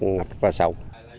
ngập rất là sâu